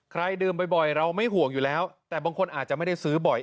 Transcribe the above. ดื่มบ่อยเราไม่ห่วงอยู่แล้วแต่บางคนอาจจะไม่ได้ซื้อบ่อย